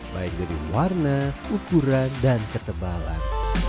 baik dari warna ukuran dan ketebalan